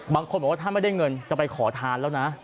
บางคนบอกว่าถ้าไม่ได้เงินจะไปขอทานแล้วนะ